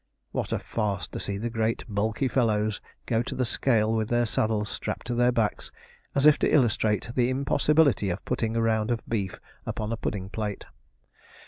What a farce to see the great bulky fellows go to scale with their saddles strapped to their backs, as if to illustrate the impossibility of putting a round of beef upon a pudding plate!